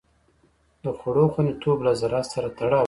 د خوړو خوندیتوب له زراعت سره تړاو لري.